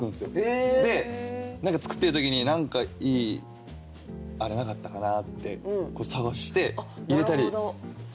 で何か作ってる時に何かいいあれなかったかな？って探して入れたりするんすよ！